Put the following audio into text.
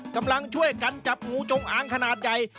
กำลังช่วยกันจับงูจงอางขนาดใหญ่